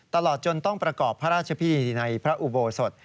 ตลอดจนต้องประกอบพระราชพิธีในพระอุโบสถ